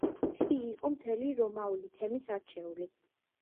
იგი იყო მთელი რომაული თემის არჩეული.